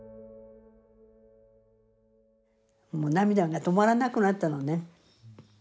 もう涙が止まらなくなったのね。